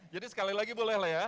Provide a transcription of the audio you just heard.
jadi sekali lagi boleh lah ya